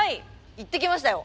行ってきましたよ。